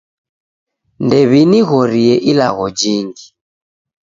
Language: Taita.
Ndew'inighorie ilagho jingi